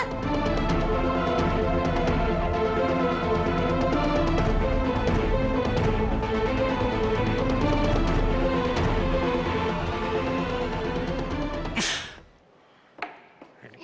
ini kotoran apa aja sih